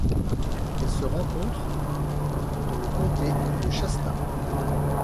Elle se rencontre dans le comté de Shasta.